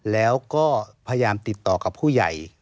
แล้วก็พยายามติดต่อกับผู้ใหญ่